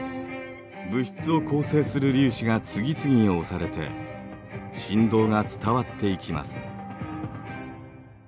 物質を構成する粒子が次々に押されて振動が伝わっていきます。